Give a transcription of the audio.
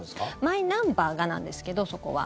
マイナンバーがなんですけど、そこは。